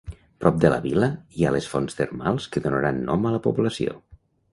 Prop de la vila hi ha les fonts termals que donaren nom a la població.